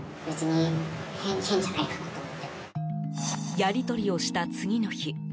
やりとりをした次の日。